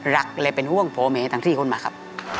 รักและเป็นห่วงพ่อแม่ทั้งที่คนมาครับ